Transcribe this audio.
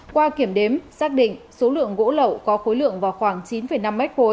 qua kiểm đếm xác định số lượng gỗ lậu có khối lượng vào khoảng chín năm m ba